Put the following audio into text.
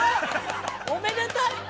おめでたい。